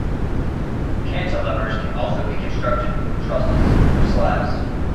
Cantilevers can also be constructed with trusses or slabs.